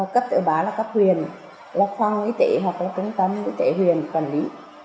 cấp thứ ba là cấp huyền là phong y tế hoặc là trung tâm y tế huyền quản lý